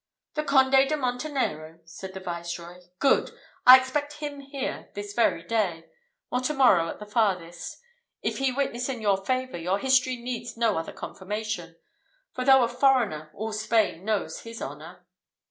"The Conde de Montenero!" said the Viceroy. "Good! I expect him here this very day, or to morrow at the farthest. If he witness in your favour, your history needs no other confirmation; for though a foreigner, all Spain knows his honour."